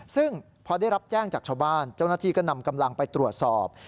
ซึ่งพอได้รับแจ้งจากชาวบ้านเจ้าหน้าที่ก็นำกำลังไปตรวจสอบ